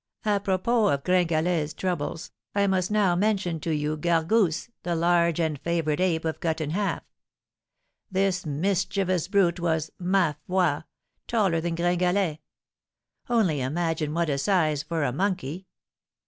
Apropos of Gringalet's troubles, I must now mention to you Gargousse, the large and favourite ape of Cut in Half. This mischievous brute was, ma foi! taller than Gringalet; only imagine what a size for a monkey!